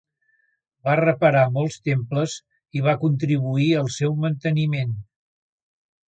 Va reparar molts temples i va contribuir al seu manteniment.